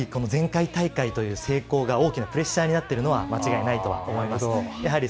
前回大会という成功がプレッシャーになっていることは間違いないと思います。